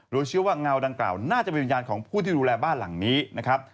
โดยเชื่อว่าเงาดังกล่าวน่าจะเป็นวิญญาณของผู้ที่ดูแลบ้านหลังนี้นะครับ